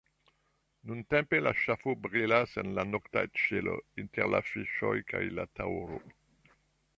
Nuntempe la ŝafo brilas en la nokta ĉielo inter la Fiŝoj kaj la Taŭro.